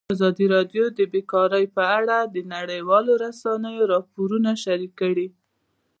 ازادي راډیو د بیکاري په اړه د نړیوالو رسنیو راپورونه شریک کړي.